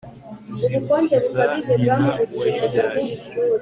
Ziruta iza nyina wayibyaye